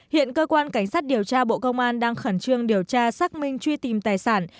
hiện cơ quan cảnh sát điều tra bộ công an đang khẩn trương điều tra xác minh truy tìm tài sản